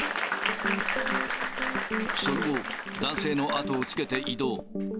その後、男性の後をつけて移動。